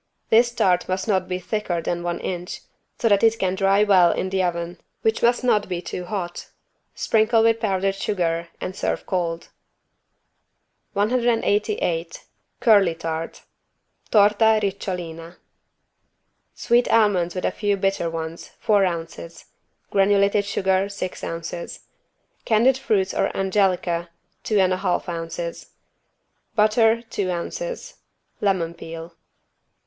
This tart must not be thicker than one inch, so that it can dry well in the oven, which must not be too hot. Sprinkle with powdered sugar and serve cold. 188 CURLY TART (Torta ricciolina) Sweet almonds with a few bitter ones, four ounces, Granulated sugar, six ounces, Candied fruits or angelica, 2 1/2 ounces, Butter, two ounces, Lemon peel.